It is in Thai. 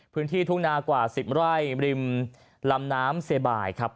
พื้นที่ทุ่งนากว่า๑๐ไร่ริมลำน้ำเซบายครับ